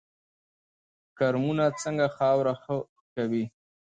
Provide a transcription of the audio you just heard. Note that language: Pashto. کرمونه څنګه خاوره ښه کوي؟